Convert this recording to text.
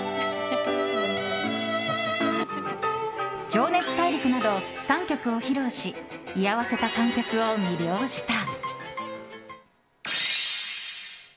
「情熱大陸」など３曲を披露し居合わせた観客を魅了した。